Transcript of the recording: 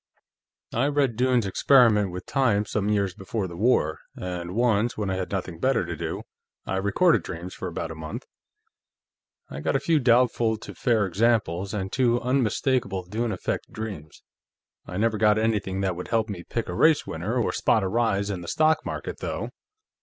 I read Dunne's Experiment with Time some years before the war, and once, when I had nothing better to do, I recorded dreams for about a month. I got a few doubtful to fair examples, and two unmistakable Dunne Effect dreams. I never got anything that would help me pick a race winner or spot a rise in the stock market, though."